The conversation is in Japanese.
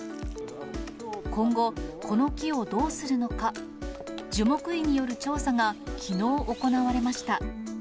今後、この木をどうするのか、樹木医による調査がきのう行われました。